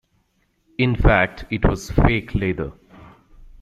In fact it was fake leather.